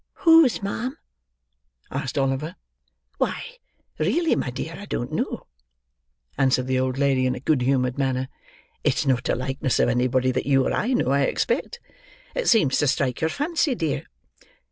"Whose, ma'am?" asked Oliver. "Why, really, my dear, I don't know," answered the old lady in a good humoured manner. "It's not a likeness of anybody that you or I know, I expect. It seems to strike your fancy, dear."